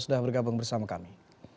sudah bergabung bersama kami